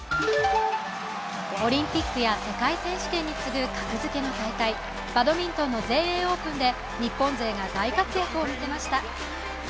オリンピックや世界選手に次ぐ格付けの大会、バドミントンの全英オープンで日本勢が大活躍を見せました。